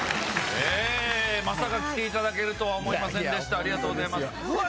まさか来ていただけるとは思いませんでした。